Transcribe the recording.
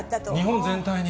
日本全体に？